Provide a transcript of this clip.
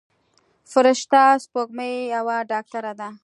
فرشته سپوږمۍ یوه ډاکتره ده.